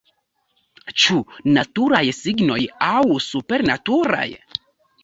Ĉu naturaj signoj aŭ supernaturaj?